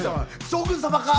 将軍様か？